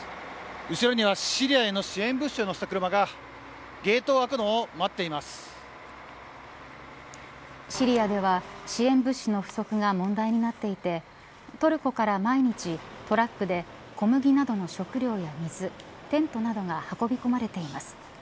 後ろではシリアへの支援物資を載せた車がシリアでは支援物資の不足が問題となっていてトルコから毎日トラックで小麦などの食料や水テントなどが運び込まれています。